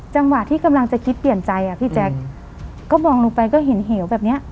จังหวะที่กำลังจะคิดเปลี่ยนใจอ่ะพี่แจ๊คก็มองลงไปก็เห็นเหวแบบเนี้ย